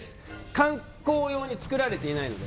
観光用に作られていないので。